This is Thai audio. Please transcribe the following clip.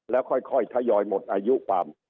แล้วค่อยทยอยหมดอายุความ